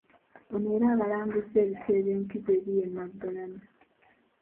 Ono era abalambuzza ebifo eby'enkizo ebiri e Naggalabi.